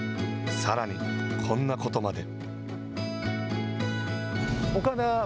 さらに、こんなことまで。